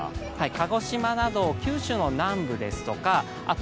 鹿児島など九州の南部ですとかあと